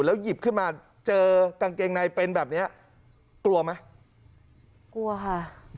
หยิบขึ้นมาเจอกางเกงในเป็นแบบเนี้ยกลัวไหมกลัวค่ะ